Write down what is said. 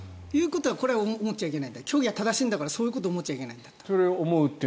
これは思っちゃいけない教義は正しいんだからそういうことを思っちゃいけないんだと。